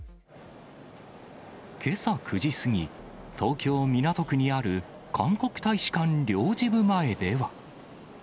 けさ９時過ぎ、東京・港区にある韓国大使館領事部前では。